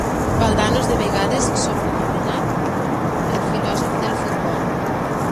Valdano és de vegades sobrenomenat "El filòsof del futbol".